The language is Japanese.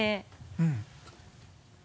うん。